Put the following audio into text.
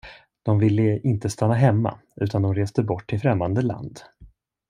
De ville inte stanna hemma, utan de reste bort till främmande land.